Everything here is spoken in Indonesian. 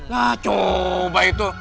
nah coba itu